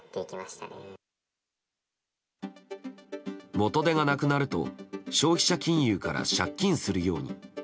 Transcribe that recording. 元手がなくなると消費者金融から借金するように。